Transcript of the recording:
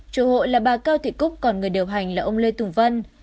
chủ hội là bà cao thị cúc còn người điều hành là ông lê tùng vân